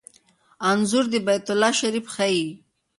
انځور د بیت الله شریف ښيي.